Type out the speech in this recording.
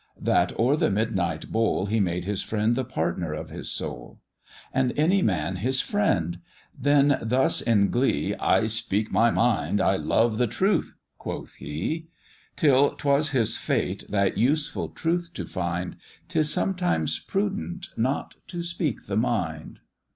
that o'er the midnight bowl He made his friend the partner of his soul, And any man his friend: then thus in glee, "I speak my mind, I love the truth," quoth he; Till 'twas his fate that useful truth to find, 'Tis sometimes prudent not to speak the mind.